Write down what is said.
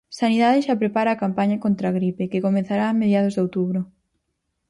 Sanidade xa prepara a campaña contra a gripe, que comezará a mediados de outubro.